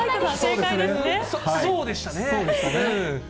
そうでしたね。